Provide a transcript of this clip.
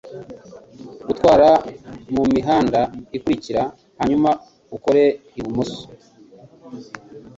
Gutwara mumihanda ikurikira hanyuma ukore ibumoso.